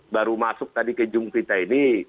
baru masuk tadi ke jum'vita ini